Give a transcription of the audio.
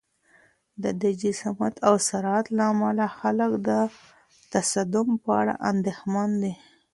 د دې جسامت او سرعت له امله خلک د تصادم په اړه اندېښمن دي.